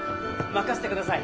任せてください。